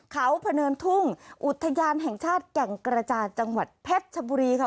เขาพะเนินทุ่งอุทยานแห่งชาติแก่งกระจานจังหวัดเพชรชบุรีค่ะ